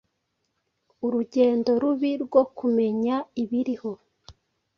Urugendo rubi rwo kumenya ibiriho